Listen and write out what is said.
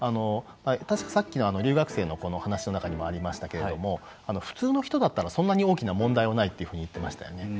さっきの留学生の話の中にもありましたけれども普通の人だったらそんなに大きな問題はないというふうに言ってましたよね。